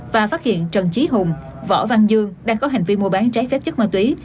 và phát hiện trần trí hùng võ văn dương đang có hành vi mua bán trái phép chất ma túy